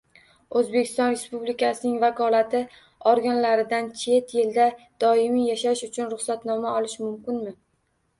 O‘zbekiston Respublikasining vakolatli organlaridan chet elda doimiy yashash uchun ruxsatnoma olish mumkinmi?